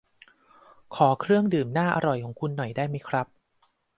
ขอเครื่องดื่มน่าอร่อยของคุณหน่อยได้ไหมครับ